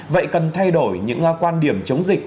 vậy cần thay đổi những quan điểm chống dịch